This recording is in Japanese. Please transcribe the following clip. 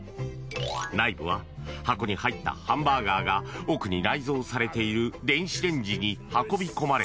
内部は箱に入ったハンバーガーが奥に内蔵されている電子レンジに運び込まれ